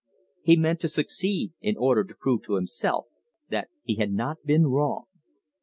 He meant to succeed in order to prove to himself that he had not been wrong.